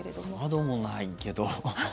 雨戸もないけど。